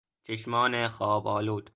چشمان خوابآلود